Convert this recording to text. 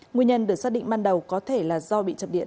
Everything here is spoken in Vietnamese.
nguyên nhân được xác định ban đầu có thể là do bị chập điện